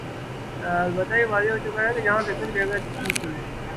البتہ یہ واضح ہو چکا کہ جہاں فکر جگر کی تھی۔